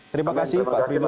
terima kasih pak fridu